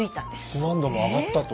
肥満度も上がったと。